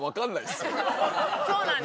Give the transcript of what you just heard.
そうなんです。